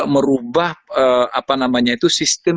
merubah apa namanya itu sistem